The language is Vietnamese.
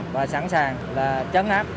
và sẵn sàng là chấn áp